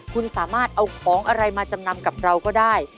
คุณสามารถเอาของอะไรมาจำนำกับเราก็ได้